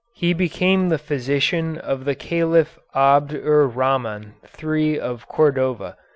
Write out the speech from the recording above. He became the physician of the Caliph Abd er Rahman III of Cordova.